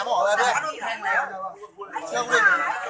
กลับมาเช็ดตาของมอง